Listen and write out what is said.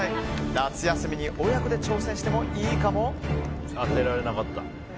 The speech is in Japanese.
夏休みに親子で挑戦してもいいかも！？